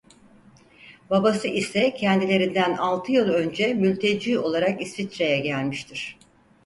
Babası ise kendilerinden altı yıl önce mülteci olarak İsviçre'ye gelmiştir.